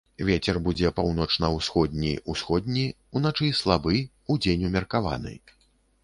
Вецер будзе паўночна-ўсходні, усходні, уначы слабы, удзень умеркаваны.